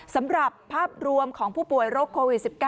สำหรับภาพรวมของผู้ป่วยโรคโควิด๑๙